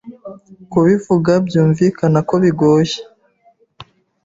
Kubivuga byumvikana ko bigoye